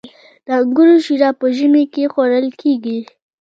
د انګورو شیره په ژمي کې خوړل کیږي.